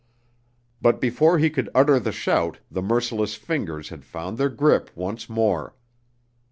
But before he could utter the shout the merciless fingers had found their grip once more.